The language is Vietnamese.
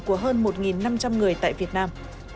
của hơn một năm trăm linh người tại việt nam